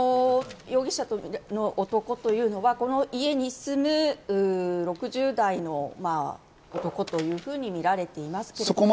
容疑者の男というのがこの家に住む６０代の男というふうに見られていますけれども。